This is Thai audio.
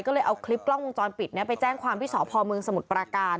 ก็เลยเอาคลิปกล้องวงจรปิดไปแจ้งความที่สพเมืองสมุทรปราการ